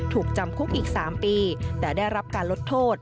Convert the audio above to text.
ถูกจำคุกอีก๓ปีแต่ได้รับการลดโทษ